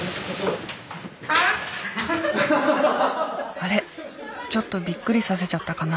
あれちょっとビックリさせちゃったかな？